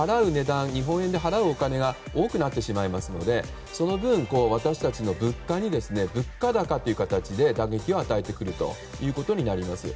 日本円で払う値段が多くなってしまいますのでその分、私たちの物価に物価高という形で打撃を与えてくることになります。